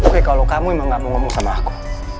tapi kalau kamu emang gak mau ngomong sama aku